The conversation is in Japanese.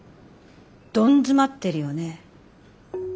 どん詰まってるよね。